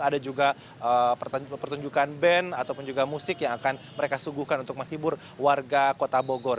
ada juga pertunjukan band ataupun juga musik yang akan mereka sungguhkan untuk menghibur warga kota bogor